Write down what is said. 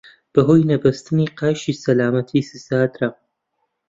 بەهۆی نەبەستنی قایشی سەلامەتی سزا درام.